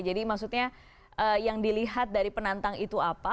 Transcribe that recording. jadi maksudnya yang dilihat dari penantang itu apa